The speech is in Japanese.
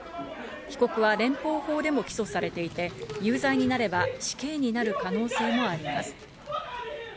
被告は連邦法でも起訴されていて、有罪になれば死刑になる可能性もあります。